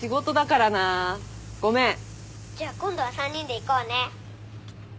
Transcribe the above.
じゃあ今度は３人で行こうね。